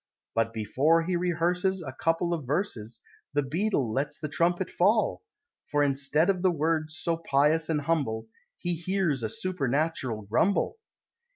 But before he rehearses A couple of verses, The Beadle lets the Trumpet fall: For instead of the words so pious and humble, He hears a supernatural grumble.